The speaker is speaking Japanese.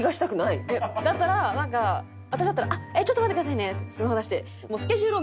だったらなんか私だったら「ちょっと待ってくださいね」ってスマホ出して。